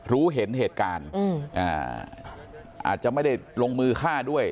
รู้เห็นเหตุการณ์อาจจะไม่ได้ลงมือฆ่าด้วย